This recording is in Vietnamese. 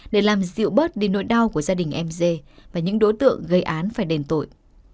để làm dịu bớt đi nỗi đau của gia đình m dê và những đối tượng gây án phải đền tội